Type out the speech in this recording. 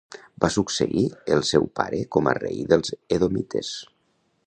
Va succeir el seu pare com a rei dels edomites.